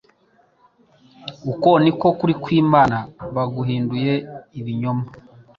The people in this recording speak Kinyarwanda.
Uko niko ukuri kw’Imana baguhinduye ibinyoma,